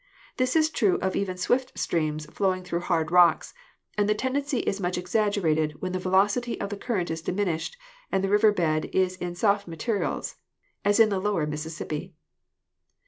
This is true even of swift streams flowing through hard rocks, and the tendency is much exaggerated when the velocity of the current is diminished and the river bed is in soft materials, as in the lower Mississippi.